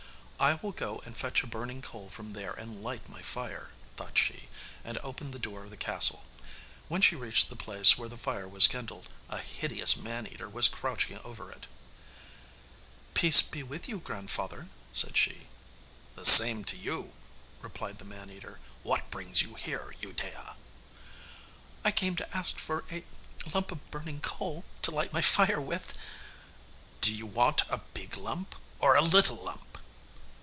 'I will go and fetch a burning coal from there and light my fire,' thought she, and opened the door of the castle. When she reached the place where the fire was kindled, a hideous man eater was crouching over it. 'Peace be with you, grandfather,' said she. 'The same to you,' replied the man eater. 'What brings you here, Udea?' 'I came to ask for a lump of burning coal, to light my fire with.' 'Do you want a big lump or a little lump?